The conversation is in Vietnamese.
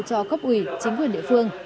cho cấp ủy chính quyền địa phương